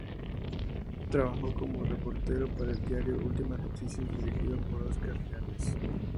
Trabajó como reportero para el diario Últimas Noticias, dirigido por Oscar Yanes.